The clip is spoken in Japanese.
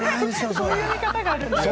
そういう見方があるんですね。